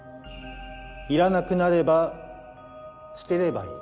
「いらなくなれば捨てればいい」。